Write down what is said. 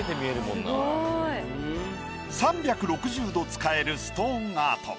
すごい。３６０度使えるストーンアート。